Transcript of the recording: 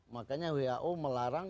makanya who melarang tidak boleh ditempatkan